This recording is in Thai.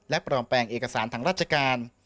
และประวังแปลงเอกสารทางราชการ